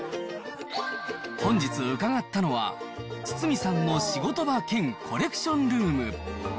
本日、伺ったのは、堤さんの仕事場兼コレクションルーム。